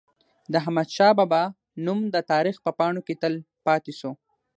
د احمد شاه بابا نوم د تاریخ په پاڼو کي تل پاتي سو.